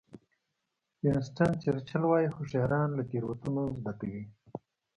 وینسټن چرچل وایي هوښیاران له تېروتنو زده کوي.